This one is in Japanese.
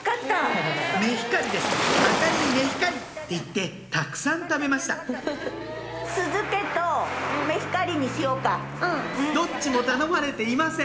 メヒカリです「燈里メヒカリ！」って言ってたくさん食べましたどっちも頼まれていません